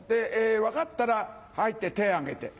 分かったら「はい」って手挙げて。